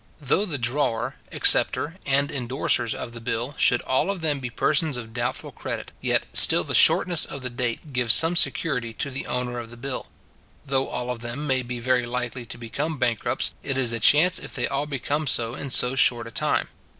Though the drawer, acceptor, and indorsers of the bill, should all of them be persons of doubtful credit; yet, still the shortness of the date gives some security to the owner of the bill. Though all of them may be very likely to become bankrupts, it is a chance if they all become so in so short a time.